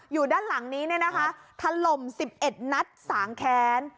อยู่ด้านหลังนี้ทะลม๑๑นัดสางแค้น